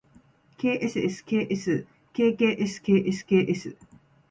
ｋｓｓｋｓｋｋｓｋｓｋｓ